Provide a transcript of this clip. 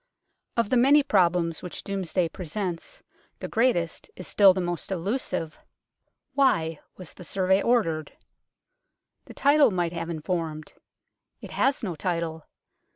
Of the many problems which Domesday pre sents, the greatest is still the most elusive. Why THE DOMESDAY BOOK 81 was the Survey ordered ? The title might have informed. It has no title.